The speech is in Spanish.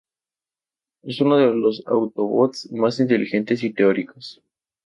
Es uno de los autobots más inteligentes y teóricos.